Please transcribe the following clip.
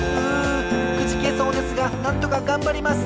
うんくじけそうですがなんとかがんばります！